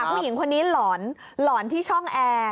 ผู้หญิงคนนี้หลอนหลอนที่ช่องแอร์